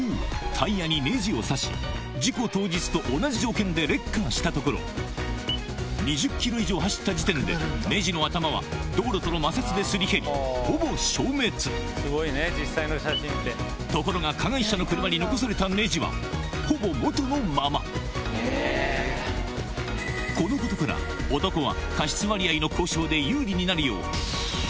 タイヤにネジを刺しレッカーしたところ２０ｋｍ以上走った時点でネジの頭は道路との摩擦ですり減りほぼ消滅ところが加害者の車に残されたネジはほぼ元のままこのことから実際に。